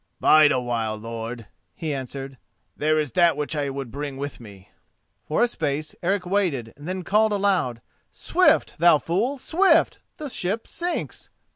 "Bide a while, lord," he answered; "there is that which I would bring with me." For a space Eric waited and then called aloud, "Swift! thou fool; swift! the ship sinks!"